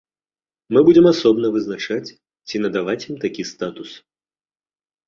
Мы будзем асобна вызначаць, ці надаваць ім такі статус.